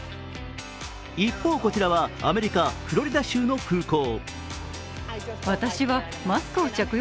一方、こちらはアメリカ・フロリダ州の空港。